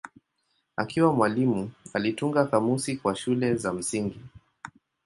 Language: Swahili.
Akiwa mwalimu alitunga kamusi kwa shule za msingi.